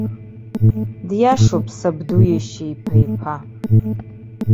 Диашоуп сабду иашьа иԥа-иԥа.